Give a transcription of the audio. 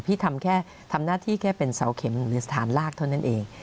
พี่ทำแค่ทำหน้าที่แค่เป็นเสาเข็มหรือสถานลากเท่านั้นเอง